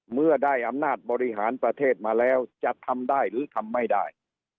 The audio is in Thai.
เมื่อได้อำนาจบริหารประเทศมาแล้วจะทำได้หรือทำไม่ได้